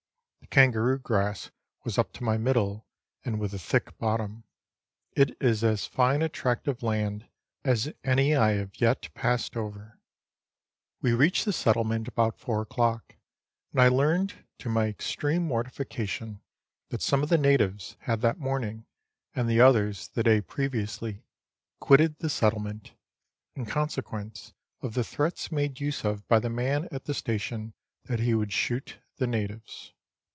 The kangaroo grass was up to my middle, and with a thick bottom. It is as fine a tract of land as any I have as yet passed over. Letters from Victorian Pioneers. 291 We reached the settlement about four o'clock, and I learned, to my extreme mortification, that some of the natives had that morning, and the others the day previously, quitted the settle ment, iu consequence of the threats made use of by the man at the station that he would shoot the natives.